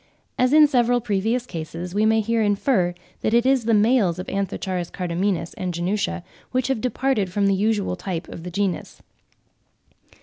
As in several previous cases, we may here infer that it is the males of Anth. cardamines and genutia which have departed from the usual type of the genus.